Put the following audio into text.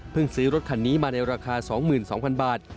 ซื้อรถคันนี้มาในราคา๒๒๐๐๐บาท